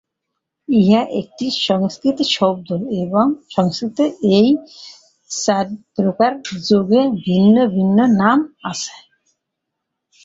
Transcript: ইহা একটি সংস্কৃত শব্দ এবং সংস্কৃতে এই চারিপ্রকার যোগের ভিন্ন ভিন্ন নাম আছে।